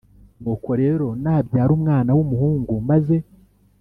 Nuko rero nabyara umwana w umuhungu maze